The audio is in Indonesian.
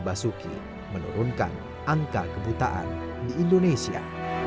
basuki menurunkan angka kebutaan di indonesia